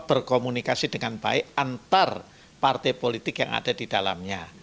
berkomunikasi dengan baik antar partai politik yang ada di dalamnya